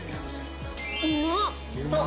うまっ！